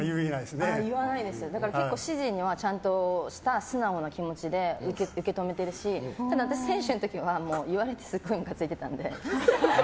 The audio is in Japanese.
結構指示にはちゃんとした素直な気持ちで受け止めてるしただ私選手の時は言われてすごいムカついてたので。